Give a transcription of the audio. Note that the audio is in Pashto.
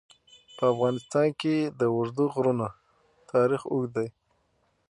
په افغانستان کې د اوږده غرونه تاریخ اوږد دی.